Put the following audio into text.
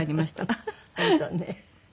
本当ね。